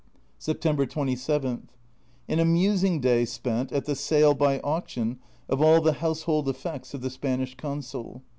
September 27. An amusing day spent at the sale by auction of all the household effects of the Spanish consul.